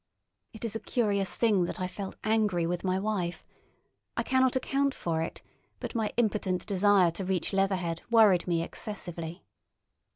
It is a curious thing that I felt angry with my wife; I cannot account for it, but my impotent desire to reach Leatherhead worried me excessively.